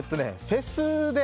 フェスで。